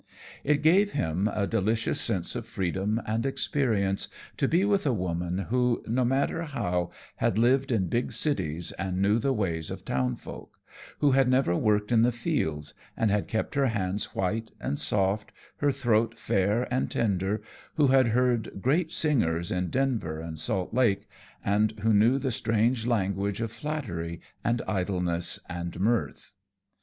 It gave him a delicious sense of freedom and experience to be with a woman who, no matter how, had lived in big cities and knew the ways of town folk, who had never worked in the fields and had kept her hands white and soft, her throat fair and tender, who had heard great singers in Denver and Salt Lake, and who knew the strange language of flattery and idleness and mirth.